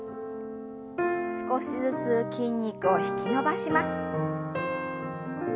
少しずつ筋肉を引き伸ばします。